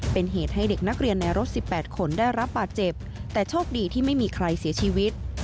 เป็นเหตุให้เด็กนักเรียนในรถ๑๘คนได้รับบาดเจ็บแต่โชคดีที่ไม่มีใครเสียชีวิต